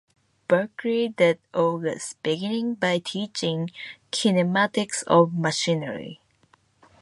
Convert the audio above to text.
Berkeley that August, beginning by teaching kinematics of machinery.